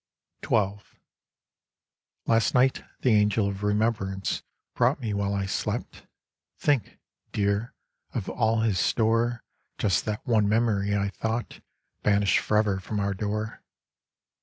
XII Last night the angel of remembrance brought Me while I slept think, Dear! of all his store Just that one memory I thought Banished forever from our door!